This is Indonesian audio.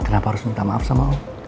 kenapa harus minta maaf sama allah